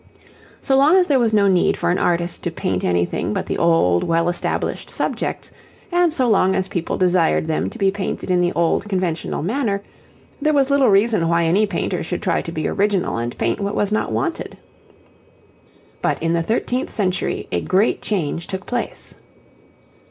So long as there was no need for an artist to paint anything but the old well established subjects, and so long as people desired them to be painted in the old conventional manner, there was little reason why any painter should try to be original and paint what was not wanted. But in the thirteenth century a great change took place.